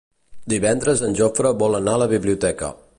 Divendres en Jofre vol anar a la biblioteca.